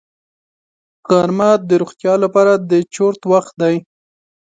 غرمه د روغتیا لپاره د چرت وخت دی